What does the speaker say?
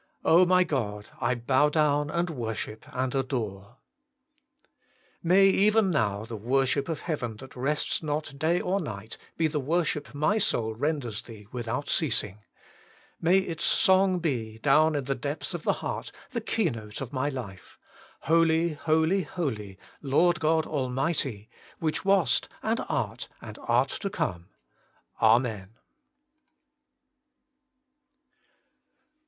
my God ! I bow down, and worship, and adore. May even now the worship of heaven that rests not day or night be the worship my soul renders Thee without ceasing. May its song be, down in the depths of the heart, the keynote of my life : HOLY, HOLY, HOLY, Lord God Almighty ! which wast, and art, and art to come. Amen.